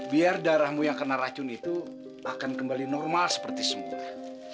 biar darahmu yang kena racun itu akan kembali normal seperti sembuh